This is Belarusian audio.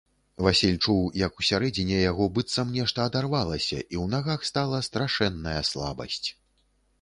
Васіль чуў, як усярэдзіне яго быццам нешта адарвалася і ў нагах стала страшэнная слабасць.